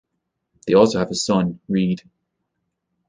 They also have a son, Reid.